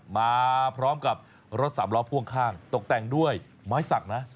มาพร้อมกับรถสามล้อพ่วงข้างตกแต่งด้วยไม้สักนะ